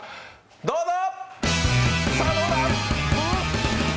どうぞ！